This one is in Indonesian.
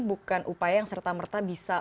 bukan upaya yang serta merta bisa